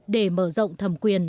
để mở rộng thầm quyền